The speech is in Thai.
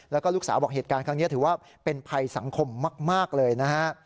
แล้วก็ลูกสาวบอกเหตุการณ์ครั้งนี้ถือว่าเป็นภัยสังคมมากเลยนะฮะ